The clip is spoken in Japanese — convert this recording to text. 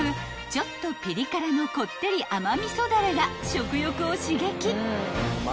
ちょっとピリ辛のこってり甘味噌だれが食欲を刺激］